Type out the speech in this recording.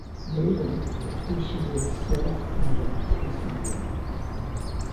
Later they issued their self-titled first album.